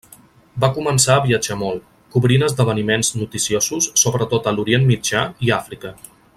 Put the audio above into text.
Va començar a viatjar molt, cobrint esdeveniments noticiosos sobretot a l'Orient Mitjà i Àfrica.